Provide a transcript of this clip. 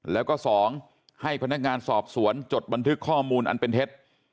แล้วก็๒ให้พนักงานสอบสวนจดบันทึกข้อมูลอันเป็นเท็จ